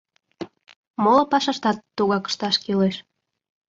Моло пашаштат тугак ышташ кӱлеш.